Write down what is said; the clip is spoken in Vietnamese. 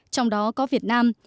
trong đó có việt nam